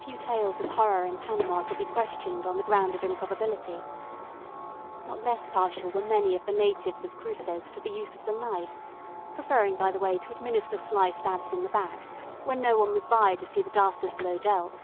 Few tales of horror in Panama could be questioned on the ground of improbability. Not less partial were many of the natives of Cruces to the use of the knife; preferring, by the way, to administer sly stabs in the back, when no one was by to see the dastard blow dealt.